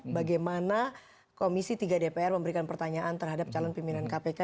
bagaimana komisi tiga dpr memberikan pertanyaan terhadap calon pimpinan kpk